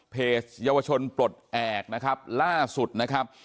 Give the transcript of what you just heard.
เยาวชนปลดแอบนะครับล่าสุดนะครับ